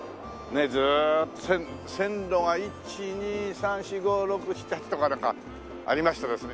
ずーっと線路が１２３４５６７８とかなんかありましてですね。